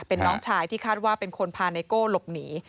เป็นน้องชายที่คาดว่าเป็นคนพาไนโก้หลบหนี